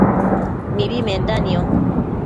mibi menda nio